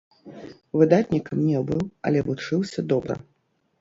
Выдатнікам не быў, але вучыўся добра.